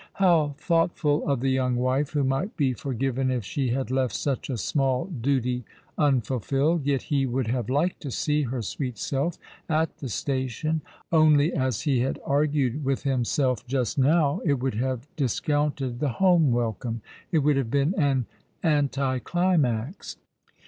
How thoughtful of the young wife, who might be forgiven if she had left such a small duty unfulfilled. Yet he would have liked to see her sweet self at the station — only, as he had argued with himself just now, it would have discounted the home welcome. It would have been an anti climax.